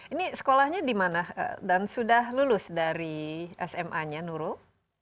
ini sekolahnya di mana dan sudah lulus dari sma nya nurul